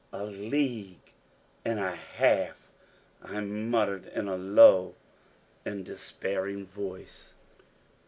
"A league and a half," I muttered in a low and despairing voice.